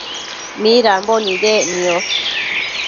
midambo nidec niosh ?